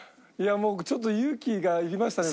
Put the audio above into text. もうちょっと勇気がいりましたね